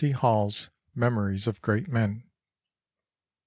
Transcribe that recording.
C. Hall's Memories of Great Men.